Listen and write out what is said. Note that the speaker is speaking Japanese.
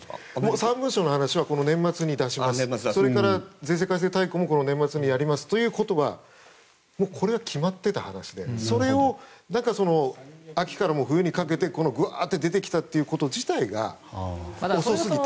３文書の話は年末に出します税制大綱も年末にやりますというのはこれは決まっていた話でそれを、秋から冬にかけて出てきたこと自体が遅すぎた。